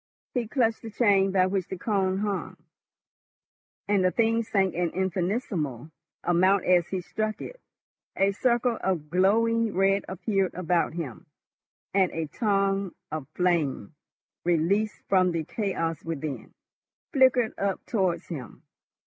He clutched the chain by which the cone hung, and the thing sank an infinitesimal amount as he struck it. A circle of glowing red appeared about him, and a tongue of flame, released from the chaos within, flickered up towards him.